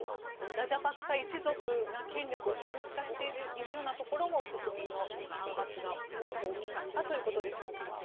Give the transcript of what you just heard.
ラジャパクサ一族が権力を私物化しているようなところも国民の反発が大きかったということでしょうか。